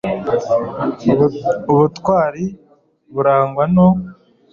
ubutwari burangwa no